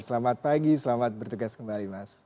selamat pagi selamat bertugas kembali mas